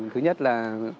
thứ nhất là